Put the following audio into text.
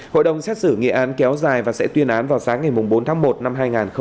hội đồng xét xử nghị án kéo dài và sẽ tuyên án vào sáng ngày bốn tháng một năm hai nghìn hai mươi